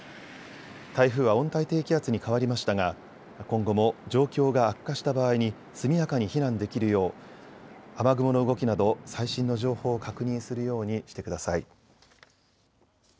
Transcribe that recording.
台風は温帯低気圧に変わりましたが今後も状況が悪化した場合に速やかに避難できるよう雨雲の動きなど最新の情報を確認するようにしてください。